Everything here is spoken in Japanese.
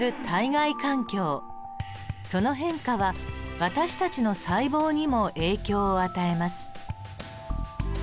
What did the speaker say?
その変化は私たちの細胞にも影響を与えます。